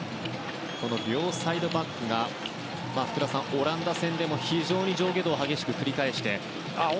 この両サイドバックが福田さん、オランダ戦でも上下動を激しく繰り返して。